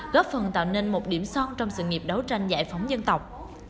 góp phần tạo nên một điểm son trong sự nghiệp đấu tranh giải phóng dân tộc